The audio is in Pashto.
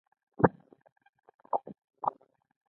هره ستونزه د حل لاره لري، بس دواړه خواوې باید تفاهم ولري.